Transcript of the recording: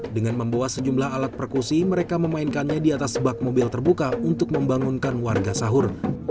dengan membawa sejumlah alat perkusi mereka memainkannya di atas bak mobil terbuka untuk membangunkan warga sahur